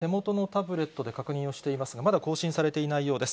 今、手元のタブレットで確認をしていますが、まだ更新されていないようです。